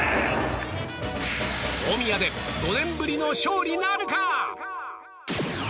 大宮で５年ぶりの勝利なるか？